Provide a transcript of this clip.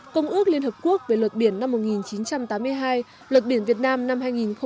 công ước liên hợp quốc về luật biển năm một nghìn chín trăm tám mươi hai luật biển việt nam năm hai nghìn một mươi hai